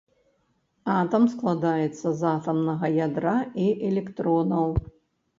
Атам складаецца з атамнага ядра і электронаў.